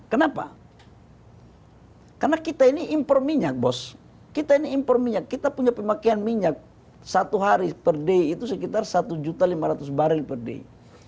kenapa karena kita ini impor minyak bos kita ini impor minyak kita punya pemakaian minyak satu hari per day itu sekitar satu lima ratus barrel per day